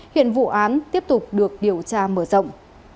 điều tra mở rộng